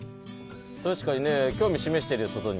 確かにね興味示してるよ外に。